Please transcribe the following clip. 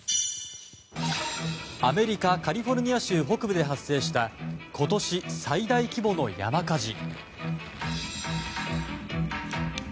アメリカカリフォルニア州北部で発生した今年最大規模の山火事。